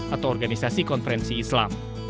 atau organisasi konferensi islam